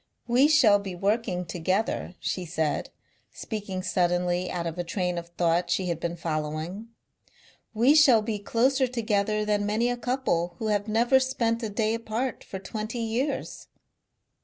"We shall be working together," she said, speaking suddenly out of a train of thought she had been following, "we shall be closer together than many a couple who have never spent a day apart for twenty years."